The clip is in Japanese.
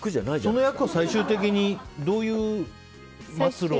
その役は最終的にどういう末路を？